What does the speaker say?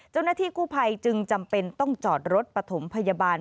เจ้าหน้าที่กู้ภัยจึงจำเป็นต้องจอดรถปฐมพยาบาล